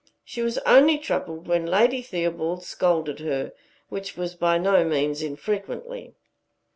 She was only troubled when Lady Theobald scolded her, which was by no means infrequently.